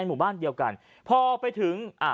ชาวบ้านญาติโปรดแค้นไปดูภาพบรรยากาศขณะ